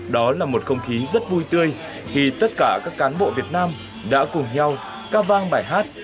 đó là một không khí rất vui tươi khi tất cả các cán bộ việt nam đã cùng nhau ca vang bài hát